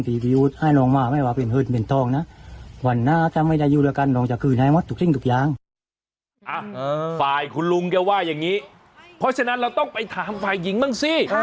จะอยู่ที่เขามาเลยต้องว่าว่าเขาจะซ่อนมาเนี่ย